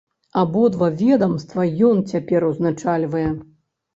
Абодва ведамства ён цяпер узначальвае.